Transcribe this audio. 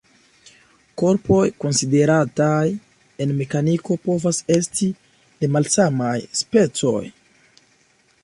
Korpoj konsiderataj en mekaniko povas esti de malsamaj specoj.